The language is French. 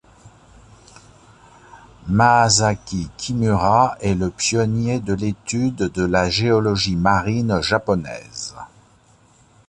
Masaaki Kimura est le pionnier de l'étude de la géologie marine japonaise.